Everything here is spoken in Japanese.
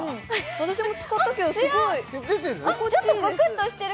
私も使ったけどすごい出てる？